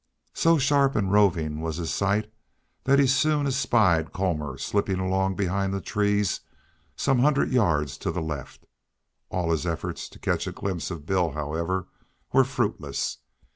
So sharp and roving was his sight that he soon espied Colmor slipping along behind the trees some hundred yards to the left. All his efforts to catch a glimpse of Bill, however, were fruitless.